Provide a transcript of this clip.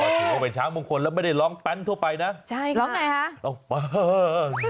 โหถึงเหมือนช้างมงคลและไม่ได้ร้องแป๊นทั่วไปนะใช่ค่ะร้องปัน